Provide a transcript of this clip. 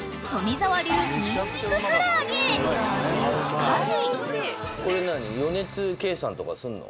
［しかし］